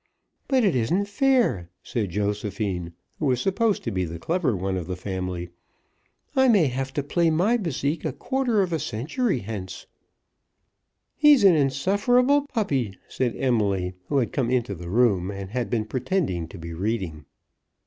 "But it isn't fair," said Josephine, who was supposed to be the clever one of the family. "I may have to play my bésique a quarter of a century hence." "He's an insufferable puppy," said Emily, who had come into the room, and had been pretending to be reading.